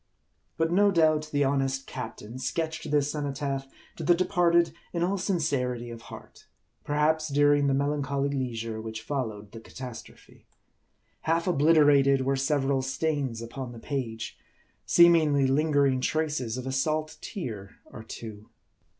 But no doubt the honest captain sketched this cenotaph to the departed in all sincerity of heart ; perhaps, during 116 MARDI. the melancholy leisure which followed the catastrophe. Half obliterated were several stains upon the page ; seem ingly, lingering traces of a salt tear or two.